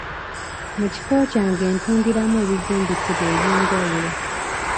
Mu kifo kyange ntundiramu ebizimbisibwa eby'enjawulo.